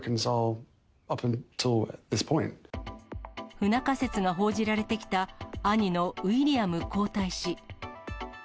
不仲説が報じられてきた兄のウィリアム皇太子。